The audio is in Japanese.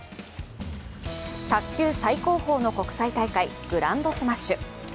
卓球最高峰の国際大会、グランドスマッシュ。